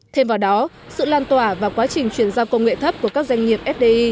thêm vào đó sự lan tỏa và quá trình chuyển giao công nghệ thấp của các doanh nghiệp fdi